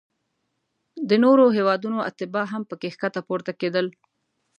د نورو هیوادونو اتباع هم پکې ښکته پورته کیدل.